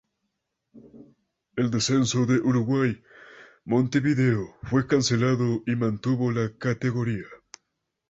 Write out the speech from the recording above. El descenso de Uruguay Montevideo fue cancelado y mantuvo la categoría